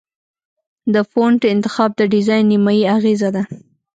د فونټ انتخاب د ډیزاین نیمایي اغېزه ده.